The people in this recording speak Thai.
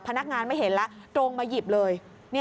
พนักงานไม่เห็นแล้วตรงมาหยิบเลย